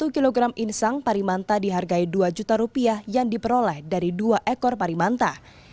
satu kg insang parimanta dihargai dua juta rupiah yang diperoleh dari dua ekor parimanta